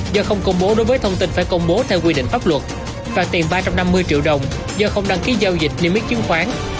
do không công bố đối với thông tin phải công bố theo quy định pháp luật phạt tiền ba trăm năm mươi triệu đồng do không đăng ký giao dịch niêm yết chứng khoán